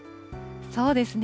そうですね。